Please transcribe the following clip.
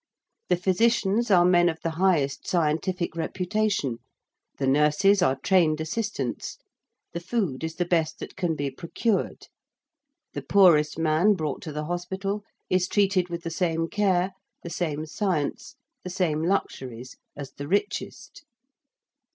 The physicians are men of the highest scientific reputation: the nurses are trained assistants: the food is the best that can be procured. The poorest man brought to the hospital is treated with the same care, the same science, the same luxuries as the richest.